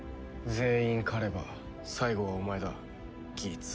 全員狩れば最後はお前だギーツ。